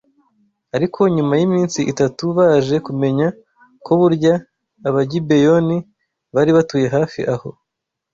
Ariko nyuma y’iminsi itatu baje kumenya ko burya Abagibeyoni bari batuye hafi aho